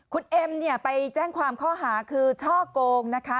คุณเอ็มเนี่ยไปแจ้งความข้อหาคือช่อโกงนะคะ